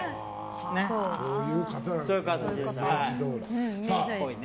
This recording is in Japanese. そういう方なんですね。